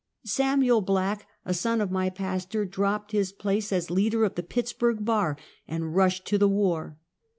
Samuel Black, a son of my pastor, dropped his place as leader of the Pittsburg bar and rushed to the war.